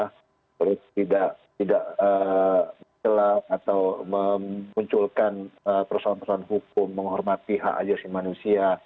harus tidak telap atau memunculkan persoalan persoalan hukum menghormati hak hak si manusia